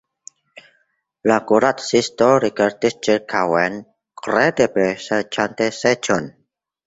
La kuracisto rigardis ĉirkaŭen, kredeble serĉante seĝon.